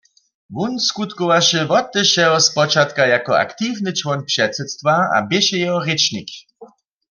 Wón skutkowaše wote wšeho spočatka jako aktiwny čłon předsydstwa a běše jeho rěčnik.